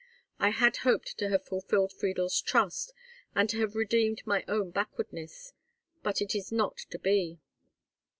I had hoped to have fulfilled Friedel's trust, and to have redeemed my own backwardness; but it is not to be.